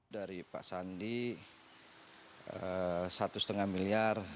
dari pak sandi satu lima miliar